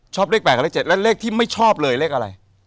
เลข๘กับเลข๗และเลขที่ไม่ชอบเลยเลขอะไร